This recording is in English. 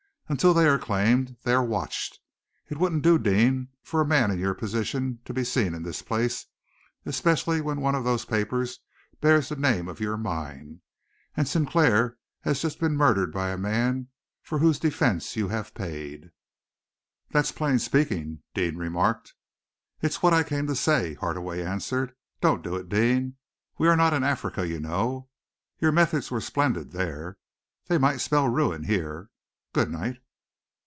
Until they are claimed they are watched. It wouldn't do, Deane, for a man in your position to be seen in this place, especially when one of those papers bears the name of your mine, and Sinclair has just been murdered by a man for whose defence you have paid." "That's plain speaking," Deane remarked. "It's what I came to say," Hardaway answered. "Don't do it, Deane. We are not in Africa, you know. Your methods were splendid there. They might spell ruin here. Good night!"